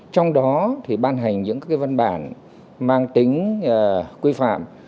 trong đó thì ban hành những văn bản mang tính quy phạm